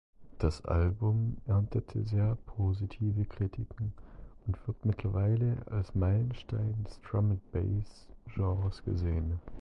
Das Album erntete sehr positive Kritiken und wird mittlerweile als Meilenstein des Drum-and-Bass-Genres gesehen.